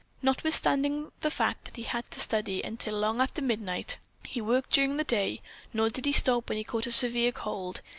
Notwithstanding the fact that he had to study until long after midnight, he worked during the day, nor did he stop when he caught a severe cold.